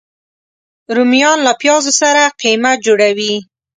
رومیان له پیازو سره قیمه جوړه وي